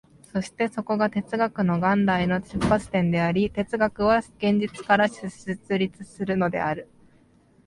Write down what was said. そしてそこが哲学の元来の出発点であり、哲学は現実から出立するのである。